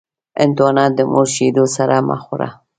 هندوانه د مور شیدو سره مه خوره.